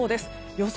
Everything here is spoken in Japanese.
予想